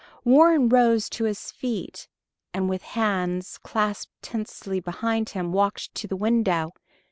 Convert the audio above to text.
Warren rose to his feet, and with hands clasped tensely behind him walked to the window.